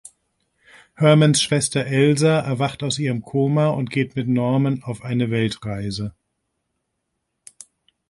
Hermans Schwester Elsa erwacht aus ihrem Koma und geht mit Norman auf eine Weltreise.